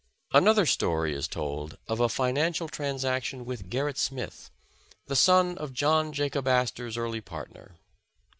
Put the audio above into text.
Another story is told of a financial transaction with Gerrit Smith, the son of John Jacob Astor 's early part ner.